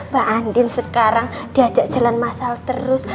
pak andin sekarang diajak jalan masal terus